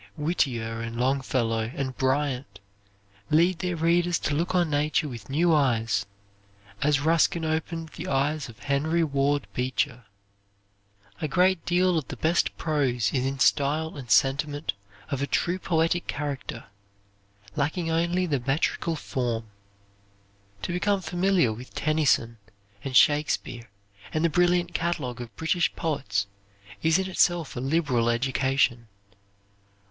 Whittier and Longfellow and Bryant lead their readers to look on nature with new eyes, as Ruskin opened the eyes of Henry Ward Beecher. A great deal of the best prose is in style and sentiment of a true poetic character, lacking only the metrical form. To become familiar with Tennyson and Shakespeare, and the brilliant catalogue of British poets is in itself a liberal education.